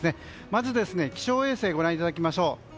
まず気象衛星をご覧いただきましょう。